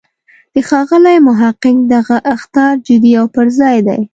د ښاغلي محق دغه اخطار جدی او پر ځای دی.